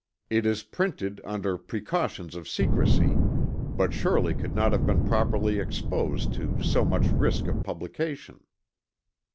It is printed under precautions of secrecy, but surely could not have been properly exposed to so much risk of publication."